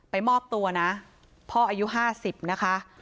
ไปมอบตัวนะพ่ออายุห้าสิบนะคะครับ